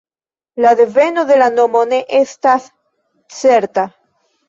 La deveno de la nomo ne estas certa.